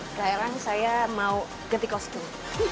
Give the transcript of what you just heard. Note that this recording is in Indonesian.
sekarang saya mau getik kostum